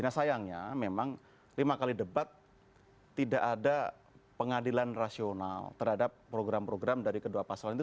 nah sayangnya memang lima kali debat tidak ada pengadilan rasional terhadap program program dari kedua pasal itu